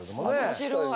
面白い。